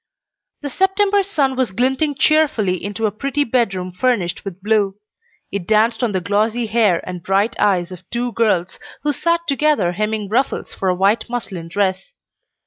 The September sun was glinting cheerfully into a pretty bedroom furnished with blue. It danced on the glossy hair and bright eyes of two girls, who sat together hemming ruffles for a white muslin dress.